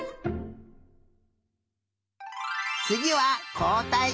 つぎはこうたい。